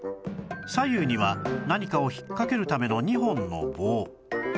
左右には何かを引っかけるための２本の棒